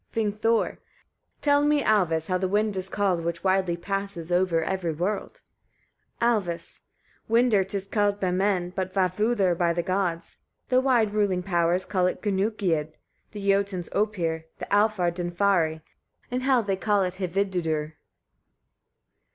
Vingthor. 20. Tell me, Alvis! etc., how the wind is called, which widely passes over every world. Alvis. 21. Windr 'tis called by men, but vavudr by the gods, the wide ruling powers call it gneggiud, the Jotuns oepir, the Alfar dynfari, in Hel they call it hvidudr.